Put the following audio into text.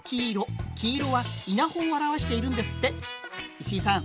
石井さん